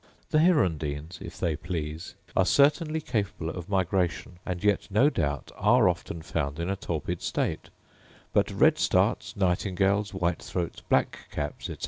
The hirundines, if they please, are certainly capable of migration; and yet no doubt are often found in a torpid state: but redstarts, nightingales, white throats, black caps, etc.